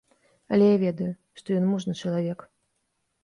Але я ведаю, што ён мужны чалавек.